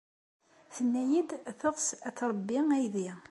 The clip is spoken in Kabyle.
Tenna-iyi-d teɣs ad tṛebbi aydi.